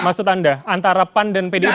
maksud anda antara pan dan pdip